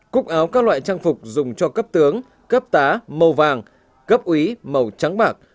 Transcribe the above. cúc áo các loại trang phục dùng cho cấp tướng cấp tá màu vàng cấp quý màu trắng bạc